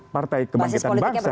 partai kebangkitan bangsa